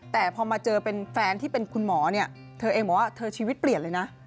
แต่พอมาเจอเป็นแฟนที่เป็นคุณหมอเนี่ยเธอเองบอกว่าเธอชีวิตเปลี่ยนเลยนะ